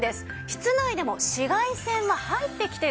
室内でも紫外線は入ってきているんです。